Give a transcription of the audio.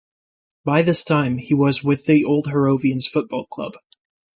By this time, he was with the Old Harrovians Football Club.